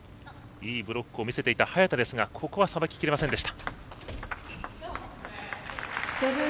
いいブロックを見せていた早田ですがここはさばききれませんでした。